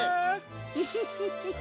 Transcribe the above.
ウフフフフフ。